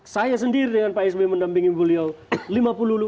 saya sendiri dengan pak esmi menampingi beliau